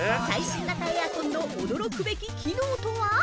最新型エアコンの驚くべき機能とは？